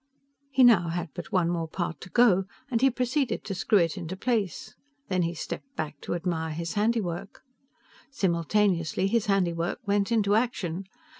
He now had but one more part to go, and he proceeded to screw it into place. Then he stepped back to admire his handiwork. Simultaneously his handiwork went into action.